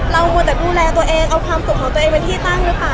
มัวแต่ดูแลตัวเองเอาความสุขของตัวเองเป็นที่ตั้งหรือเปล่า